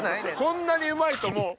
こんなにうまいともう。